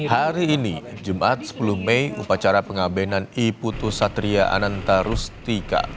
hari ini jumat sepuluh mei upacara pengabinan iputus satria anantarustika